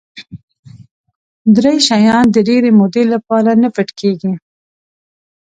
درې شیان د ډېرې مودې لپاره نه پټ کېږي.